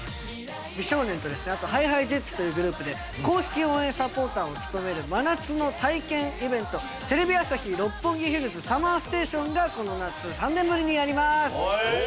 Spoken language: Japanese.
美少年とですねあとＨｉＨｉＪｅｔｓというグループで公式応援サポーターを務める真夏の体験イベントテレビ朝日・六本木ヒルズＳＵＭＭＥＲＳＴＡＴＩＯＮがこの夏３年ぶりにやります。